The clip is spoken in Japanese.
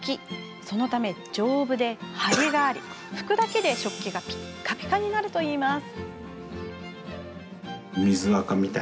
そのため丈夫で張りがあり拭くだけで食器がピカピカになるといいます。